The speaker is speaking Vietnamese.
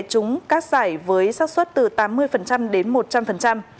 chúng các giải với sát xuất từ tám mươi đến một trăm linh